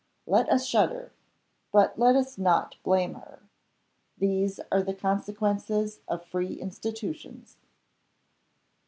Let us shudder but let us not blame her. These are the consequences of free institutions.